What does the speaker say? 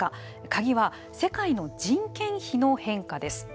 鍵は世界の人件費の変化です。